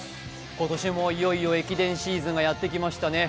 今年もいよいよ駅伝シーズンがやってきましたね。